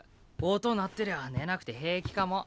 音鳴ってりゃ寝なくて平気かも。